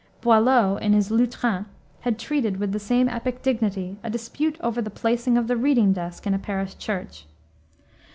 Boileau, in his Lutrin, had treated, with the same epic dignity, a dispute over the placing of the reading desk in a parish church.